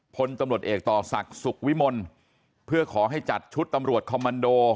พลตำรวจเอกต่อศักดิ์สุขวิมลเพื่อขอให้จัดชุดตำรวจคอมมันโด